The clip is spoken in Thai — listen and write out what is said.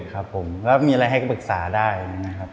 ครับผมแล้วมีอะไรให้ก็ปรึกษาได้นะครับ